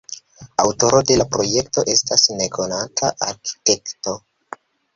Aŭtoro de la projekto estas nekonata arkitekto.